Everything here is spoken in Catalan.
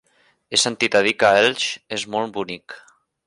He sentit a dir que Elx és molt bonic.